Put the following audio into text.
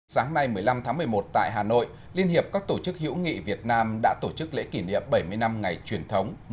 sáng nay một mươi năm tháng một mươi một tại hà nội liên hiệp các tổ chức hữu nghị việt nam đã tổ chức lễ kỷ niệm bảy mươi năm ngày truyền thống